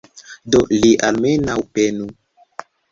Do li almenaŭ penu.